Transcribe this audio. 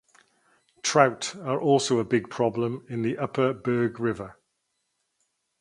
Trout are also a problem in the upper Berg river.